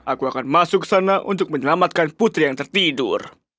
aku akan masuk ke sana untuk menyelamatkan putri yang tertidur